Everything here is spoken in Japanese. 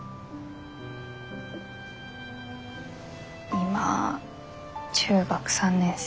今中学３年生？